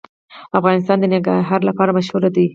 افغانستان د ننګرهار لپاره مشهور دی.